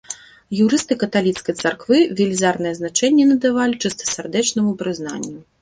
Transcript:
Юрысты каталіцкай царквы велізарнае значэнне надавалі чыстасардэчнаму прызнанню.